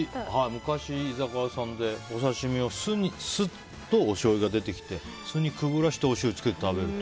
昔、居酒屋さんで、お刺し身が酢とおしょうゆが出てきてそれにくぐらせて食べると。